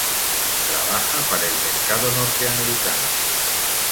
Trabaja para el mercado norteamericano.